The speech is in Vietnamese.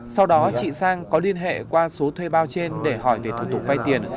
sau đó chị sang có liên hệ qua số thuê bao trên để hỏi về thủ tục vay tiền